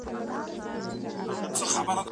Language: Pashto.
ډوډۍ په پښو نه وهل کېږي.